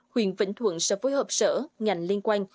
huyện vĩnh thuận sẽ phối hợp sở ngành liên quan